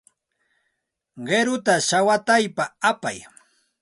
Qiruta shawataypa apay.